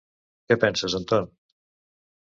Què penses, Anton?